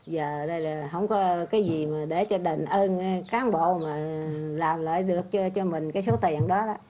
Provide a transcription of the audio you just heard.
giờ đây là không có cái gì mà để cho đền ơn cán bộ mà làm lại được cho mình cái số tiền đó đó